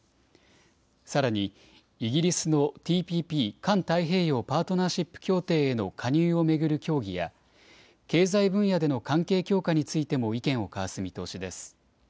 さらに、イギリスのＴＰＰ・環太平洋パートナーシップ協定への加入を巡る協議や、経済分野での関係強化についても意見を交わす見通しです。